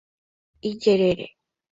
Ijerére.